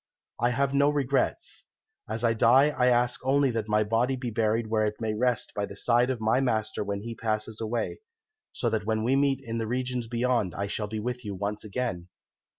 I have no regrets. As I die I ask only that my body be buried where it may rest by the side of my master when he passes away, so that when we meet in the regions beyond I shall be with you once again.'